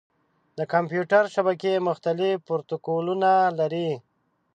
د کمپیوټر شبکې مختلف پروتوکولونه لري.